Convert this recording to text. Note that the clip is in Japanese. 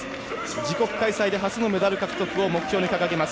自国開催で初のメダル獲得を目標に掲げます。